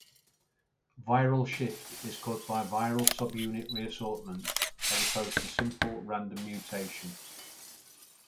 Viral shift is caused by viral subunit reassortment, as opposed to simple random mutation.